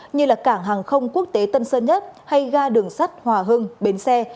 như là cảng hàng không quốc tế tân sơn nhất hay ga đường sắt hòa hưng bến xe